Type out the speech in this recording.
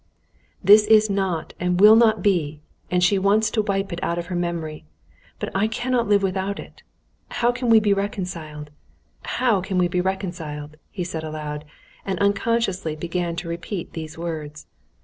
"That is not and will not be, and she wants to wipe it out of her memory. But I cannot live without it. How can we be reconciled? how can we be reconciled?" he said aloud, and unconsciously began to repeat these words.